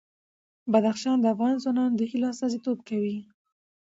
بدخشان د افغان ځوانانو د هیلو استازیتوب کوي.